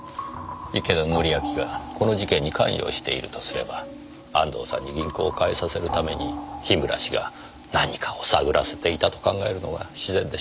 池田典昭がこの事件に関与しているとすれば安藤さんに銀行を変えさせるために樋村氏が何かを探らせていたと考えるのが自然でしょう。